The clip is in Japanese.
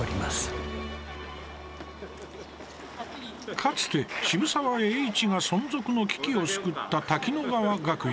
かつて渋沢栄一が存続の危機を救った滝乃川学園。